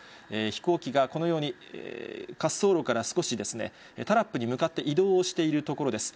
飛行機がこのように、滑走路から少しですね、タラップに向かって移動をしているところです。